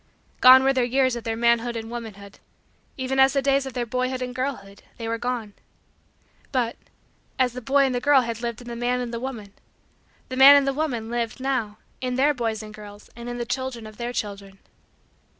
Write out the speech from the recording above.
Gone were the years of their manhood and womanhood even as the days of their boyhood and girlhood they were gone. But, as the boy and the girl had lived in the man and the woman, the man and the woman lived, now, in their boys and girls and in the children of their children.